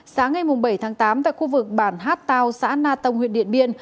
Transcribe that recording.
sáng ngày bảy tám tại khu vực bản hát tào xã na tông huyện điện biên